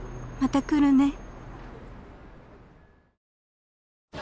また来るね］